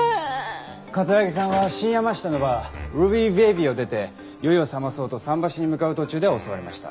城さんは新山下のバーＲＵＢＹＢＡＢＹを出て酔いをさまそうと桟橋に向かう途中で襲われました。